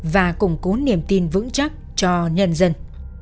và củng cố niềm tin vững chắc cho nhân dân